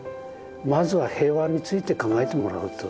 まずは平和について考えてもらうと。